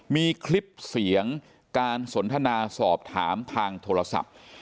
มีคลิปเสียงการสนทนาสอบถามทางโทรศัพท์